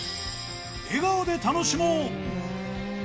笑顔で楽しもう。